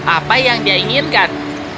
apa yang dia inginkan